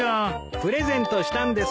プレゼントしたんですよ。